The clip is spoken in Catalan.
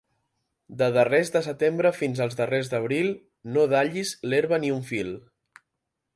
De darrers de setembre fins als darrers d'abril, no dallis l'herba ni un fil.